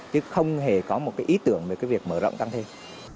chứ không hề có một cái ý tưởng về cái việc mở rộng tăng thêm